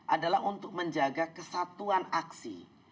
adalah untuk menjaga kesatuan aksi